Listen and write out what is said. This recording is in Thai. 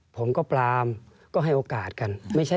ผมก็ปรามก็ให้โอกาสกัน